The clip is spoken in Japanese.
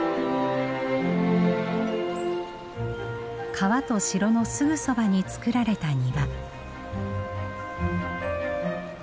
川と城のすぐそばに作られた庭。